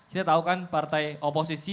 kita tahu kan partai oposisi